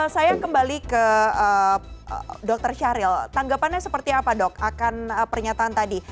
saya kembali ke dokter syahril tanggapannya seperti apa dok akan pernyataan tadi